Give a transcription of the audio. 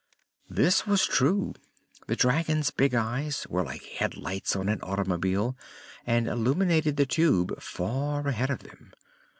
This was true. The dragon's big eyes were like headlights on an automobile and illuminated the Tube far ahead of them.